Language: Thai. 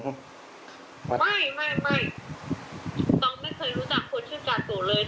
ตองไม่เขินรู้จักคนชื่อจะก์ตุ๋เลย